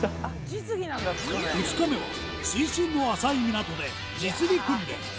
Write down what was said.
２日目は水深の浅い港で実技訓練